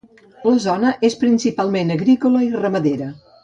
La zona és principalment agrícola i ramadera.